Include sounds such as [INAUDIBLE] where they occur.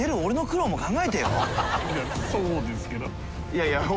いやそうですけど [LAUGHS]